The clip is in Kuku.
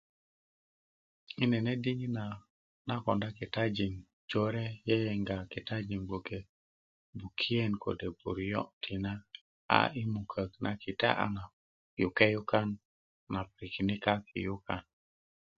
Möju na piöŋ nagon a lut na töpunundö ret loŋ lo'bulötö lo luŋu kolera lo kogwon wasaka na 'duke ko piöŋ i piöŋ naga mamata nake kune a koko mötöjini i moit a joundi ayan a joundi twanti lo kolera